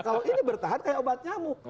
kalau ini bertahan kayak obat nyamuk